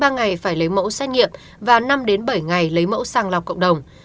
ba ngày phải lấy mẫu xét nghiệm và năm bảy ngày lấy mẫu sàng lọc cộng đồng